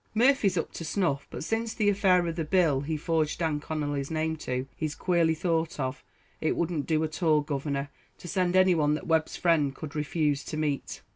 "Murphy's up to snuff; but since the affair of the bill he forged Dan Connolly's name to, he's queerly thought of. It wouldn't do at all, governor, to send anyone that Webb's friend could refuse to meet."